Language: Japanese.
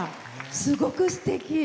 すごくすてき！